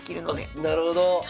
なるほど。